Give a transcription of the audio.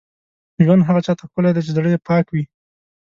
ژوند هغه چا ته ښکلی دی، چې زړه یې پاک وي.